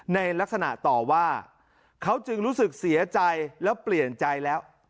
ในลักษณะต่อว่าเขาจึงรู้สึกเสียใจแล้วเปลี่ยนใจแล้ว